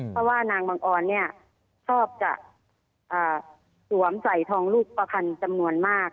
เพราะว่านางบังออนเนี่ยชอบจะสวมใส่ทองลูกประคันจำนวนมาก